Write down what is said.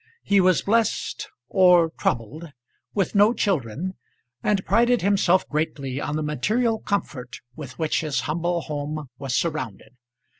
He was blessed or troubled, with no children, and prided himself greatly on the material comfort with which his humble home was surrounded.